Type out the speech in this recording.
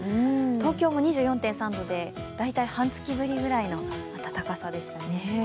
東京も２４．３度で大体半月ぶりくらいの暖かさでしたね。